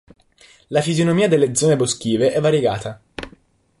La fisionomia delle zone boschive è variegata.